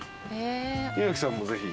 岩城さんもぜひ。